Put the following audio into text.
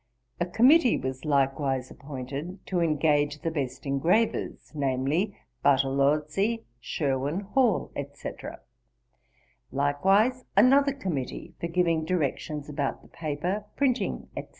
A committee was likewise appointed to engage the best engravers, viz., Bartolozzi, Sherwin, Hall, etc. Likewise another committee for giving directions about the paper, printing, etc.